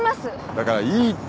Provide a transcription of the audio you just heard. だからいいって。